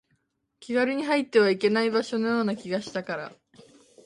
気軽に入ってはいけない場所のような気がしたから